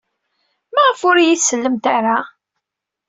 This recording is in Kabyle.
Maɣef ur iyi-tsellemt ara?